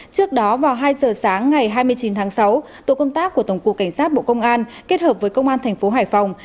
trước đó vào hai giờ sáng ngày hai mươi chín tháng sáu tổ công tác của tổng cục cảnh sát bộ công an kết hợp với công an thành phố hải phòng